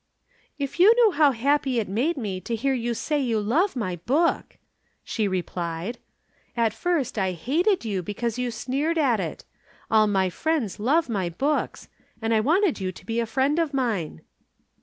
"If you knew how happy it made me to hear you say you love my book!" she replied. "At first I hated you because you sneered at it. All my friends love my books and I wanted you to be a friend of mine."